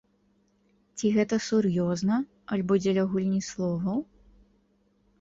Ці гэта сур'ёзна, альбо дзеля гульні словаў?